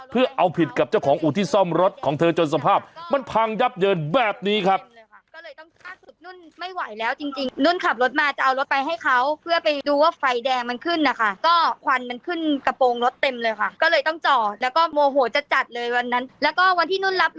เพื่อเอาผิดกับเจ้าของอู่ที่ซ่อมรถของเธอจนสภาพมันพังยับเยินแบบนี้ครับ